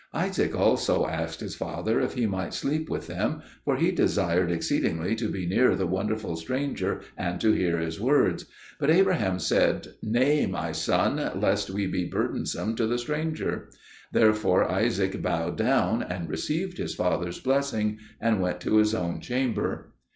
Isaac also asked his father if he might sleep with them, for he desired exceedingly to be near the wonderful stranger and to hear his words; but Abraham said, "Nay, my son, lest we be burdensome to the stranger." Therefore Isaac bowed down and received his father's blessing, and went to his own chamber.